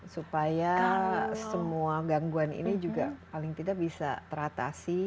supaya semua gangguan ini juga paling tidak bisa teratasi